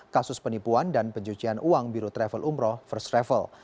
kasus penipuan dan pencucian uang biru travel umroh first travel